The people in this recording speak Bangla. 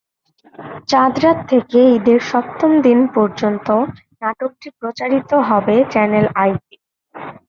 চাঁদরাত থেকে ঈদের সপ্তম দিন পর্যন্ত নাটকটি প্রচারিত হবে চ্যানেল আইতে।